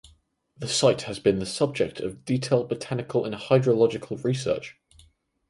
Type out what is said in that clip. The site has been the subject of detailed botanical and hydrological research.